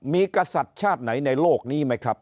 มีกษัตริย์ชาติไหนในโลกนี้ไหมครับ